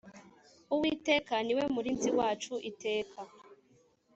Uwiteka niwe murinzi wacu iteka